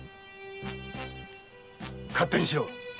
勝手にしろ！